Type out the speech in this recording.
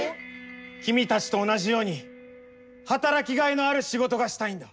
君たちと同じように働きがいのある仕事がしたいんだ。